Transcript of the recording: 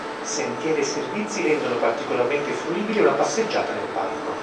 Sentieri e servizi rendono particolarmente fruibile una passeggiata nel parco.